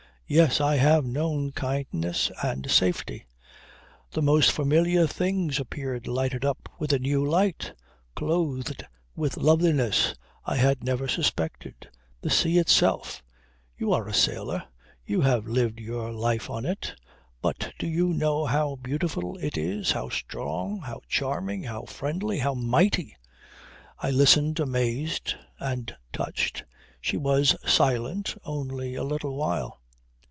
Yes, I have known kindness and safety. The most familiar things appeared lighted up with a new light, clothed with a loveliness I had never suspected. The sea itself! ... You are a sailor. You have lived your life on it. But do you know how beautiful it is, how strong, how charming, how friendly, how mighty ..." I listened amazed and touched. She was silent only a little while.